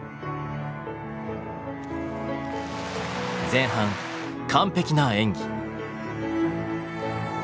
前半完璧な演技。